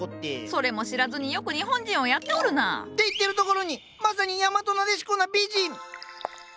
それも知らずによく日本人をやっておるな。って言ってるところにまさに大和撫子な美人！